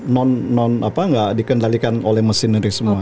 non none apa nggak dikendalikan oleh mesin ini semua